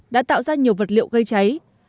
đã tạo ra nhiều vật liệu gây cháy